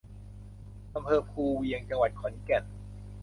อำเภอภูเวียง จังหวัดขอนแก่น